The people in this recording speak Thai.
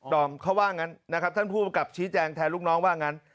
อมเขาว่างั้นนะครับท่านผู้ประกลับชี้แจงแทนลูกน้องว่างั้น